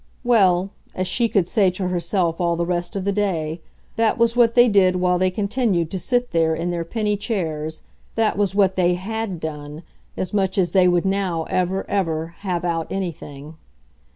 Well, as she could say to herself all the rest of the day, that was what they did while they continued to sit there in their penny chairs, that was what they HAD done as much as they would now ever, ever, have out anything.